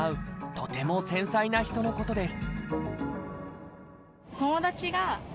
とても繊細な人のことです。